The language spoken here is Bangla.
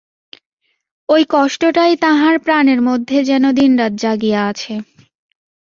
ওই কষ্টটাই তাঁহার প্রাণের মধ্যে যেন দিনরাত জাগিয়া আছে।